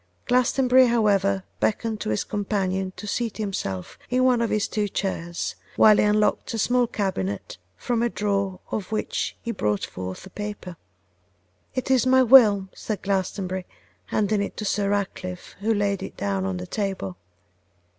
Glastonbury, however, beckoned to his companion to seat himself in one of his two chairs, while he unlocked a small cabinet, from a drawer of which he brought forth a paper. 'It is my will,' said Glastonbury, handing it to Sir Ratcliffe, who laid it down on the table.